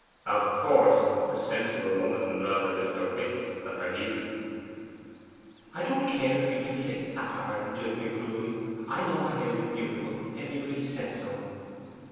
'Of course; a sensible woman would rather lose her wits than her beauty.' 'I don't care if you do say satire and judge me cruelly. I know my hair is beautiful; everybody says so.